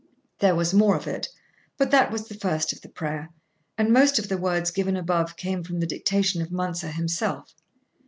There was more of it, but that was the first of the prayer, and most of the words given above came from the dictation of Mounser himself.